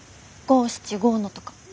五七五のとか。